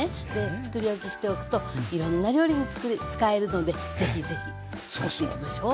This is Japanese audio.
つくり置きしておくといろんな料理に使えるので是非是非つくっていきましょう。